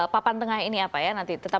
papan tengah ini nanti tetap